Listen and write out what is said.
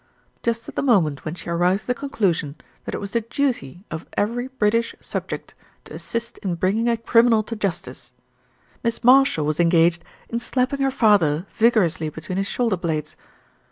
Just at the moment when she arrived at the con clusion that it was the duty of every British subject to assist in bringing a criminal to justice, Miss Marshall was engaged in slapping her father vigorously between his shoulder blades.